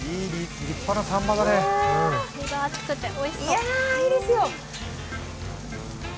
いやぁ、いいですよ。